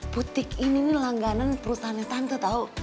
butik ini nih langganan perutannya tante tau